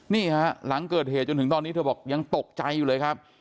นี่ฮะหลังเกิดเหตุจนถึงตอนนี้เธอบอกยังตกใจอยู่เลยครับ